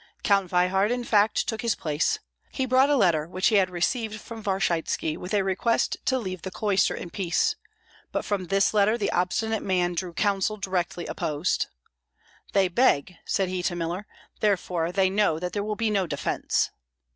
Count Veyhard in fact took his place. He brought a letter, which he had received from Varshytski with a request to leave the cloister in peace; but from this letter the obstinate man drew counsel directly opposed. "They beg," said he to Miller; "therefore they know that there will be no defence."